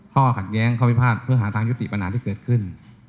ข้อขัดแย้งข้อพิพาทเพื่อหาทางยุติปัญหาที่เกิดขึ้น